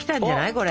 これ。